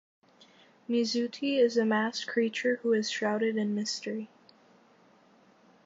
Mizuti is a masked creature who is shrouded in mystery.